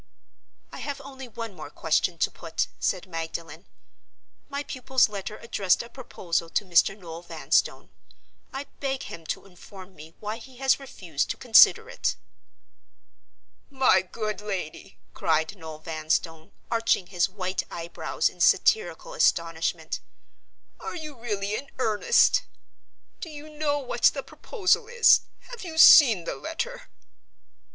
"I have only one more question to put," said Magdalen. "My pupil's letter addressed a proposal to Mr. Noel Vanstone. I beg him to inform me why he has refused to consider it." "My good lady!" cried Noel Vanstone, arching his white eyebrows in satirical astonishment. "Are you really in earnest? Do you know what the proposal is? Have you seen the letter?"